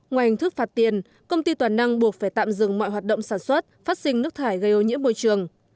ngoài hình thức phạt tiền công ty toàn năng buộc phải tạm dừng mọi hoạt động sản xuất phát sinh nước thải gây ô nhiễm môi trường